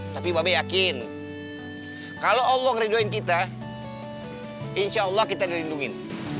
tapi babi yakin kalau allah ngeridoin kita insya allah kita dilindungin